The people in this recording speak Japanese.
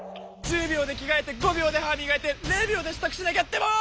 １０秒で着がえて５秒で歯みがいて０秒でしたくしなきゃってもう！